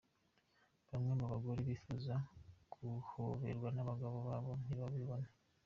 Bamwe mu bagore bifuza guhoberwa n’abagabo babo ntibabibone